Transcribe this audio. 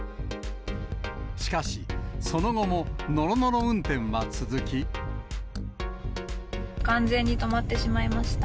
しかし、完全に止まってしまいました。